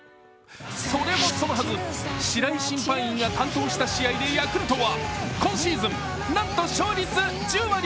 それもそのはず、白井審判員が担当した試合でヤクルトは今シーズンなんと勝率１０割。